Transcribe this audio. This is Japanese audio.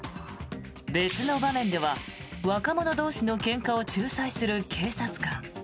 別の場面では若者同士のけんかを仲裁する警察官。